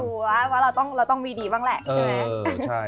คิดดูว่าเราต้องมีดีบ้างแหละ